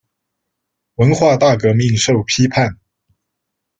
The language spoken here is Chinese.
文化大革命受批判。